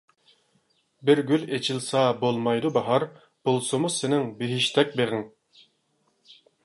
بىر گۈل ئېچىلسا بولمايدۇ باھار، بولسىمۇ سېنىڭ بېھىشتەك بېغىڭ.